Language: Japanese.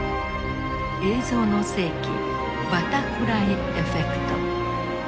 「映像の世紀バタフライエフェクト」。